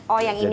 oh yang ini